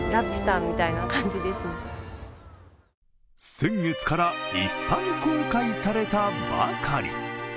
先月から一般公開されたばかり。